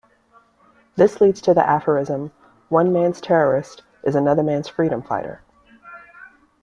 This leads to the aphorism "one man's terrorist is another man's freedom fighter".